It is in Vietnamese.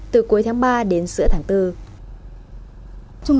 từ cuối tháng ba đến sữa tháng bốn